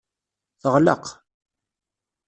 Teɣleq.